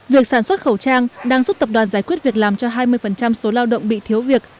việc sản xuất khẩu trang đang giúp tập đoàn giải quyết việc làm cho hai mươi số lao động bị thiếu việc